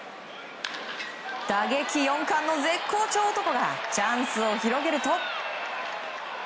打撃４冠の絶好調男がチャンスを広げると。